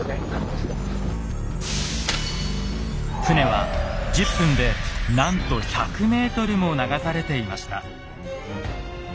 船は１０分でなんと１００ｍも流されていました。